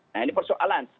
nah ini persoalan